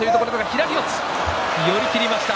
左四つ、寄り切りました。